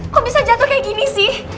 kok bisa jatuh kayak gini sih